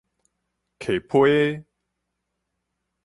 挈批的